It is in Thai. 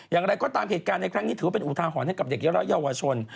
อย่างไรก็ตามเหตุการณ์ในครั้งนี้ถือว่าเป็นอุทาหรณ์ให้กับเด็กและเยาวชน